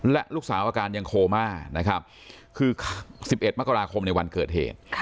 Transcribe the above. และลูกสาวอาการยังโคม่านะครับคือ๑๑มกราคมในวันเกิดเหตุ